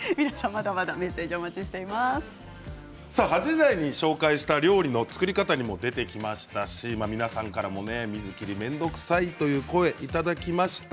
８時台でご紹介している料理の作り方に出てきましたし皆さんから水切り面倒くさいという声をいただきました。